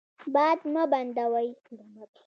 باد مه بندوئ.